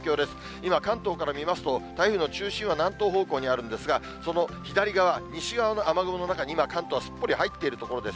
今、関東から見ますと、台風の中心は南東方向にあるんですが、その左側、西側の雨雲の中に今、関東、すっぽり入っているところです。